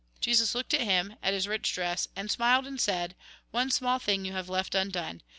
Jesus looked at him, at his rich dress, and smiled, and said :" One small thing you have left undone.